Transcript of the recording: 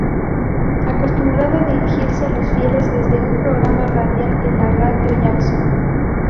Acostumbraba dirigirse a los fieles desde un programa radial en la Radio Jackson.